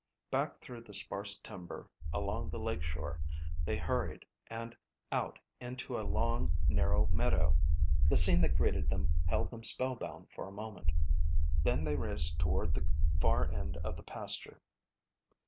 Back through the sparse timber along the lake shore they hurried and out into a long, narrow meadow. The scene that greeted them held them spellbound for a moment. Then they raced toward the far end of the pasture.